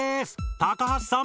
高橋さん